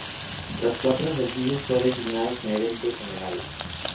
Tras cuatro ejercicios fue designado gerente general.